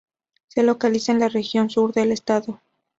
Se localiza en la Región Sur del estado.